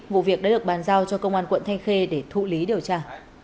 vụ việc đã được bàn giao cho công an quận thanh khê để thụ lý điều tra